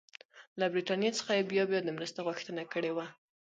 له برټانیې څخه یې بیا بیا د مرستې غوښتنه کړې وه.